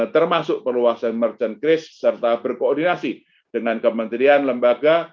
termasuk perluasan merchant case serta berkoordinasi dengan kementerian lembaga